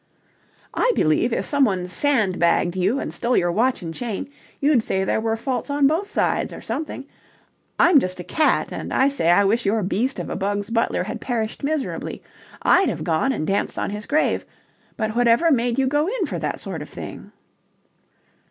"I believe if someone sandbagged you and stole your watch and chain you'd say there were faults on both sides or something. I'm just a cat, and I say I wish your beast of a Bugs Butler had perished miserably. I'd have gone and danced on his grave... But whatever made you go in for that sort of thing?"